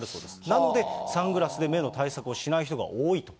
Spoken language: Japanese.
なので、サングラスで目の対策をしない人が多いと。